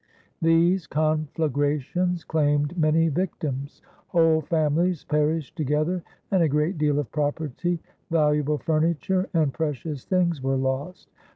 These conflagrations claimed many victims; whole famihes perished together and a great deal of property, valuable furniture and pre cious things were lost.